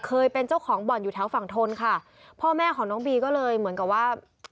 เคยเป็นเจ้าของบ่อนอยู่แถวฝั่งทนค่ะพ่อแม่ของน้องบีก็เลยเหมือนกับว่า